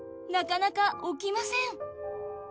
なかなか起きません。